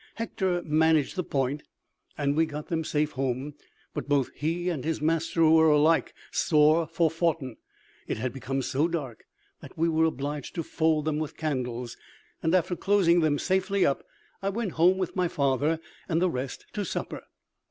Hector managed the point, and we got them safe home; but both he and his master were alike sore forefoughten. It had become so dark that we were obliged to fold them with candles; and, after closing them safely up, I went home with my father and the rest to supper.